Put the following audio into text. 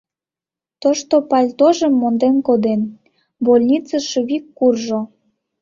Тошто пальтожым монден коден, больницыш вик куржо.